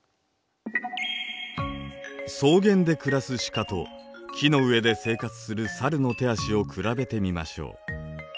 草原で暮らすシカと木の上で生活するサルの手足を比べてみましょう。